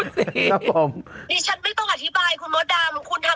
นี่ฉันไม่ต้องอธิบายคุณหมอดามคุณทำชัวร์ลงหนิฉัน